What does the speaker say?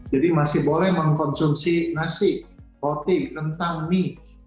jadi masih boleh mengkonsumsi nasi roti kentang mie